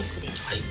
はい。